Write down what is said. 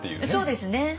そうですね。